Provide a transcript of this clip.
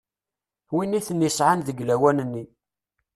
Win iten-isɛan deg lawan-nni.